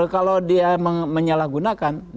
kalau dia menyalahgunakan